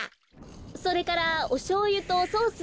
それからおしょうゆとソース